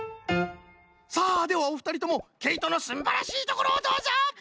さあではおふたりともけいとのすんばらしいところをどうぞ！